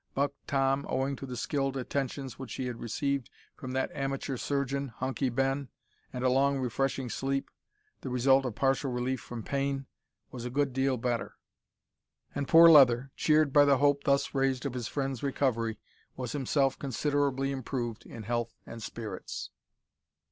Buck Tom, owing to the skilled attentions which he had received from that amateur surgeon, Hunky Ben, and a long refreshing sleep the result of partial relief from pain was a good deal better; and poor Leather, cheered by the hope thus raised of his friend's recovery, was himself considerably improved in health and spirits.